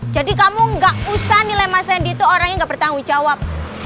jadi kamu nggak usah nilai mas randy itu orang yang nggak bertanggung jawab